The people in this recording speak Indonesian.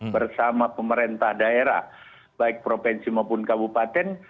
bersama pemerintah daerah baik provinsi maupun kabupaten